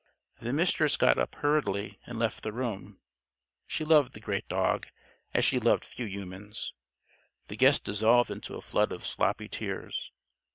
The Mistress got up hurriedly, and left the room. She loved the great dog, as she loved few humans. The guest dissolved into a flood of sloppy tears.